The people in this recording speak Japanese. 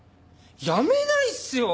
辞めないっすよ！